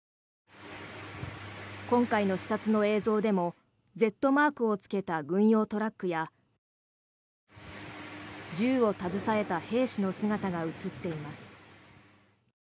今回の視察の映像でもＺマークをつけた軍用トラックや銃を携えた兵士の姿が映っています。